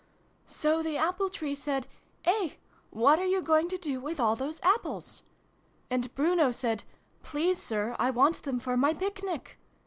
"So the Apple Tree said 'Eh! What are you going to do with all those Apples ?' And Bruno said ' Please, Sir, I want them for my Picnic.'